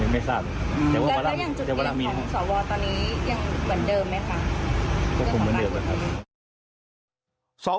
ไม่ทราบ